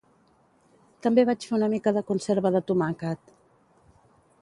També vaig fer una mica de conserva de tomàquet